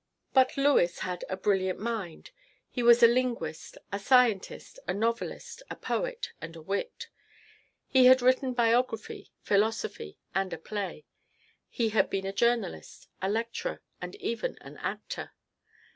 But Lewes had a brilliant mind. He was a linguist, a scientist, a novelist, a poet and a wit. He had written biography, philosophy and a play. He had been a journalist, a lecturer and even an actor.